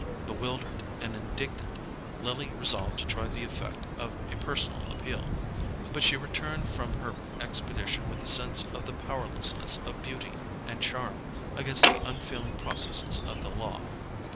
Bewildered and indignant, Lily resolved to try the effect of a personal appeal; but she returned from her expedition with a sense of the powerlessness of beauty and charm against the unfeeling processes of the law.